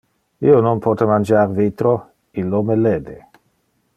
Io non pote mangiar vitro; illo me lede.